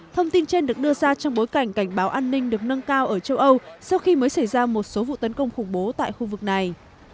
thông tin trên được đưa ra trong bối cảnh cảnh báo an ninh được nâng cao ở châu âu sau khi mới xảy ra một số vụ tấn công khủng bố tại khu vực này